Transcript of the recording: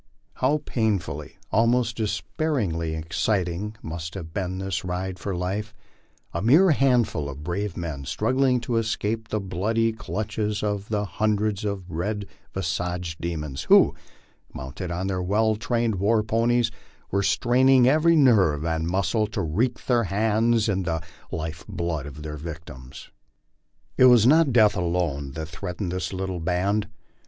How painfully, almost despairingly exciting must have been this ride for life ! A mere handful of brave men struggling to escape the bloody clutches of the hundreds of red visaged demons, who, mounted on their well trained war ponies, were straining every nerve and muscle to reek their hands in the life blood of their victims. It was not death alone that threatened this little band.